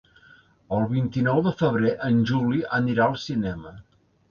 El vint-i-nou de febrer en Juli anirà al cinema.